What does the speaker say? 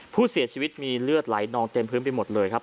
ผู้เสียชีวิตมีเลือดไหลนองเต็มพื้นไปหมดเลยครับ